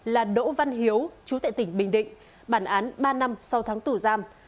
là đỗ văn hiếu chú tại tỉnh bình định bản án ba năm sau tháng tù giam